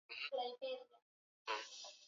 hatujaona ishara kwamba kwamba yeye yuko tayari